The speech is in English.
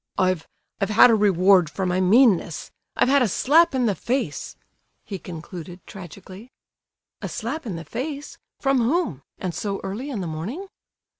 "I've—I've had a reward for my meanness—I've had a slap in the face," he concluded, tragically. "A slap in the face? From whom? And so early in the morning?"